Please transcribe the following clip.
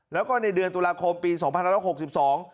แล้วก็ในเดือนตุลาคมปีสองพันร้อยหกสิบสอง